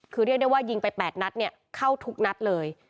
คือเรียกได้ว่ายิงไป๘นัดเนี่ยเข้าทุกนัดเลย